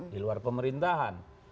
di luar pemerintahan